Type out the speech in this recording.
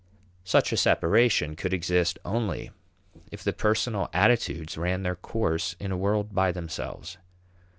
Such a separation could exist only if the personal attitudes ran their course in a world by themselves.